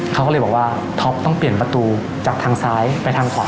เขาก็เลยบอกว่าท็อปต้องเปลี่ยนประตูจากทางซ้ายไปทางขวา